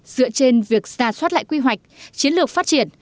dựa trên việc ra soát lại quy hoạch chiến lược phát triển